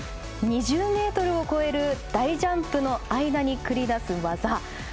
２０ｍを超える大ジャンプの間に繰り出す技。